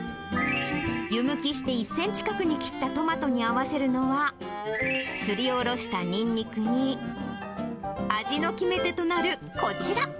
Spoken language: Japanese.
湯むきして１センチ角に切ったトマトに合わせるのは、すりおろしたニンニクに、味の決め手となるこちら。